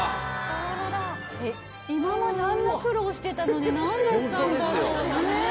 今まであんな苦労してたのに何だったんだろうねえ